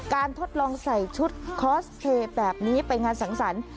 ทดลองใส่ชุดคอสเพลย์แบบนี้ไปงานสังสรรค์